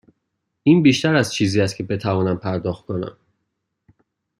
این بیشتر از چیزی است که بتوانم پرداخت کنم.